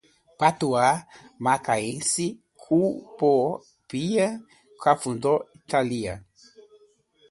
patuá macaense, cupópia, Cafundó, talian